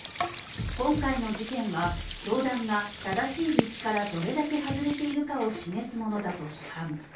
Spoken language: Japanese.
今回の事件は、教団が正しい道からどれだけ外れているかを示すものだと批判。